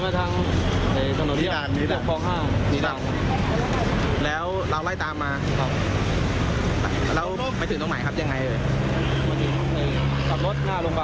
คนร้ายมากี่คนครับ